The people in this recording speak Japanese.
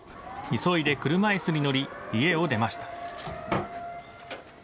急いで車いすに乗り、家を出ました。